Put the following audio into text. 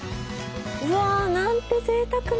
うわなんてぜいたくな！